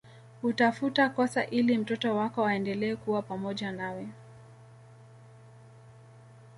Utafuta kosa ili mtoto wako aendelee kuwa pamoja nawe